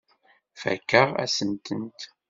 Fakeɣ-asen-tent.